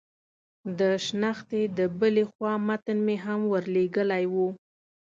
د شنختې د بلې خوا متن مې هم ور لېږلی و.